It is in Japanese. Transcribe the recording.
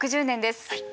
６０年です。